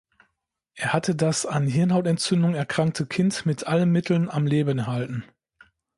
Er hatte das an Hirnhautentzündung erkrankte Kind mit allen Mitteln am Leben erhalten.